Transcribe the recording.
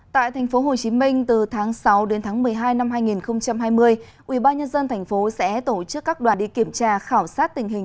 tại tp hcm từ tháng sáu đến tháng một mươi hai năm hai nghìn hai mươi ubnd tp sẽ tổ chức các đoàn đi kiểm tra khảo sát tình hình